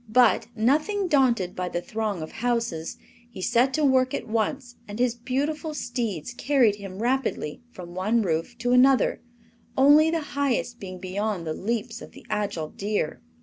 But, nothing daunted by the throng of houses, he set to work at once and his beautiful steeds carried him rapidly from one roof to another, only the highest being beyond the leaps of the agile deer.